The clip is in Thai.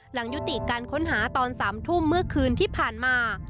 หลังยุติการค้นหาตอน๓ทุ่มเมื่อคืนที่ผ่านมา